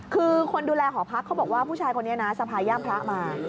คือคนดูแลหอพักเขาบอกว่าผู้ชายคนนี้นะสะพายย่ามพระมา